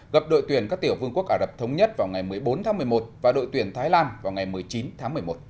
gặp đội tuyển các tiểu vương quốc ả rập thống nhất vào ngày một mươi bốn tháng một mươi một và đội tuyển thái lan vào ngày một mươi chín tháng một mươi một